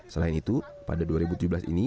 selain itu pada dua ribu tujuh belas ini